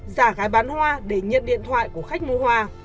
giả gái bán hoa để nhận điện thoại của khách mua hoa